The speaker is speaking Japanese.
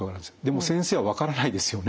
でも先生は分からないですよね」